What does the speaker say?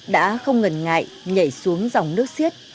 đã không ngần ngại nhảy xuống dòng nước siết